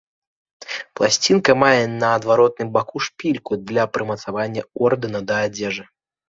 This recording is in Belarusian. Пласцінка мае на адваротным баку шпільку для прымацавання ордэна да адзежы.